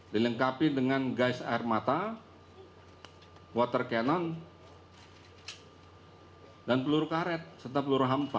dilengkapi dengan guys air mata water cannon dan peluru karet serta peluru hampa